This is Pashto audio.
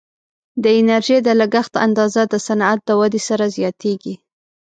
د انرژي د لګښت اندازه د صنعت د ودې سره زیاتیږي.